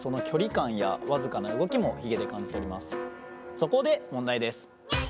そこで問題です。